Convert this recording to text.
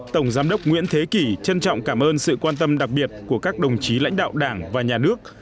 tổng giám đốc nguyễn thế kỳ trân trọng cảm ơn sự quan tâm đặc biệt của các đồng chí lãnh đạo đảng và nhà nước